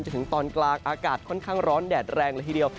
ถึงตอนกลางอากาศค่อนข้างร้อนแดดแรงละทีเดียว